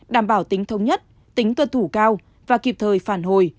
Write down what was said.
đảm bảo tính thông nhất tính tuân thủ cao và kịp thời phản hồi